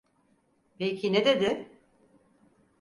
Peki ne dedi?